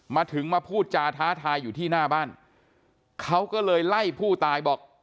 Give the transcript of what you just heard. มาถึงมาพูดจาท้าทายอยู่ที่หน้าบ้านเขาก็เลยไล่ผู้ตายบอก